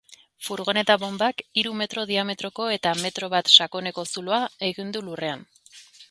Furgoneta-bonbak hiru metro diametroko eta metro bat sakoneko zuloa egin du lurrean.